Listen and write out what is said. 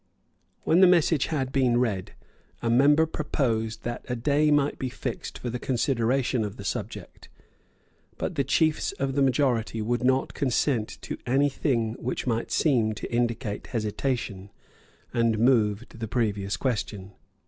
When the message had been read, a member proposed that a day might be fixed for the consideration of the subject. But the chiefs of the majority would not consent to any thing which might seem to indicate hesitation, and moved the previous question.